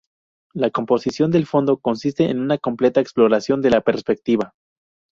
La composición del fondo consiste en una compleja exploración de la perspectiva.